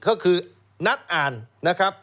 ก็คือนัดอ่านนะครับ